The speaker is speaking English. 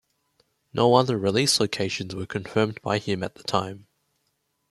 No other release locations were confirmed by him at the time.